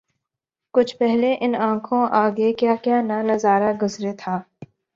کچھ پہلے ان آنکھوں آگے کیا کیا نہ نظارا گزرے تھا